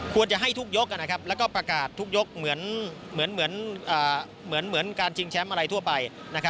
ควรจะให้ทุกยกแล้วก็ประกาศทุกยกเหมือนการชิงแชมป์อะไรทั่วไป